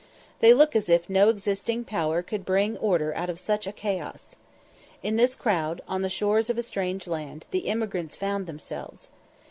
They look as if no existing power could bring order out of such a chaos. In this crowd, on the shores of a strange land, the emigrants found themselves.